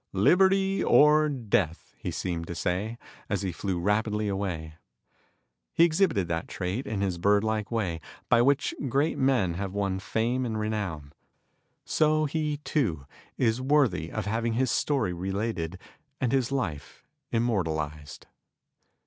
"Liberty or death," he seemed to say, as he flew rapidly away. He exhibited that trait, in his bird like way, by which great men have won fame and renown, so he, too, is worthy of having his story related and his life immortalized.